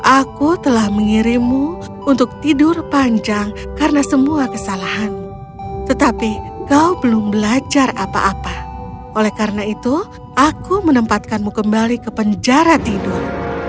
aku telah mengirimmu untuk tidur panjang karena semua kesalahan tetapi kau belum belajar apa apa oleh karena itu aku menempatkanmu kembali ke penjara tidur